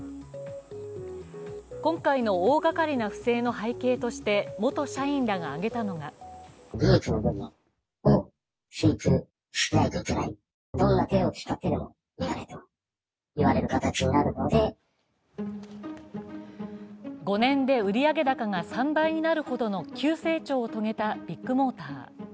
今回の大がかりな不正の背景として元社員らが挙げたのが５年で売上高が３倍になるほどの急成長を遂げたビッグモーター。